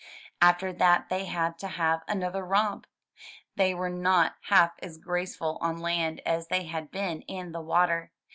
After that they had to have another romp. They were not half as graceful on land as they had been in the water.